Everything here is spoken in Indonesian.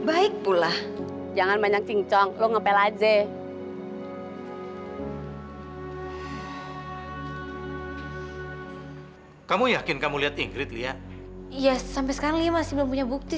aku juga rasa pengen banget penyakit ini keluar dari tubuhku